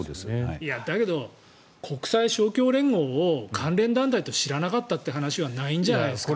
だけど国際勝共連合を関連団体と知らなかったというのはないんじゃないですか。